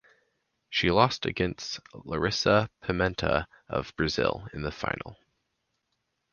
She lost against Larissa Pimenta of Brazil in the final.